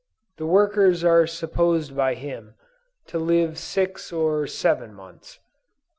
The workers are supposed by him, to live six or seven months.